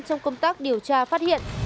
trong công tác điều tra phát hiện